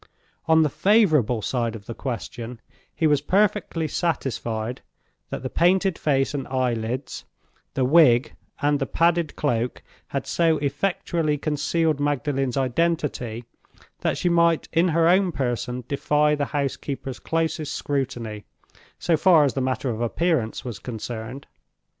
On the favorable side of the question, he was perfectly satisfied that the painted face and eyelids, the wig, and the padded cloak had so effectually concealed Magdalen's identity, that she might in her own person defy the housekeeper's closest scrutiny, so far as the matter of appearance was concerned.